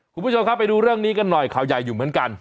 คุณผู้ชมครับไปดูเรื่องนี้กันหน่อยข่าวใหญ่อยู่เหมือนกัน